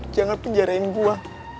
jangan penjarain gue